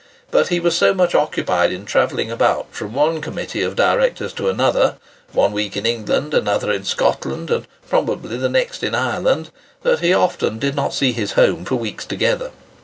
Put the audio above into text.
But he was so much occupied in travelling about from one committee of directors to another—one week in England, another in Scotland, and probably the next in Ireland,—that he often did not see his home for weeks together.